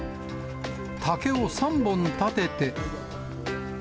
竹を３本立てて。